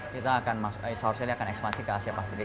saurseli akan ekspansi ke asia pasifik